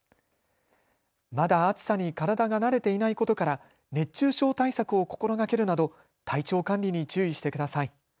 まだ暑さに体が慣れていないことから熱中症対策を心がけるなど体調管理に注意してください。